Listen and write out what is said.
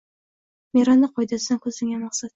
Miranda qoidasidan ko‘zlangan maqsad